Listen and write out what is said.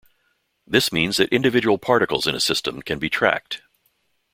This means that individual particles in a system can be tracked.